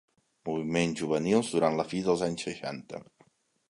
Moviments juvenils durant la fi dels anys seixanta.